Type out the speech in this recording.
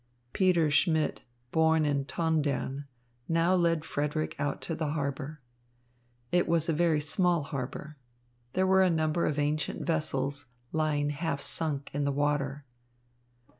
Peter Schmidt, born in Tondern, now led Frederick out to the harbour. It was a very small harbour. There were a number of ancient vessels lying half sunk in the water.